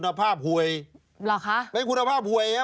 เพราะมันเป็นยากุณภาพหวย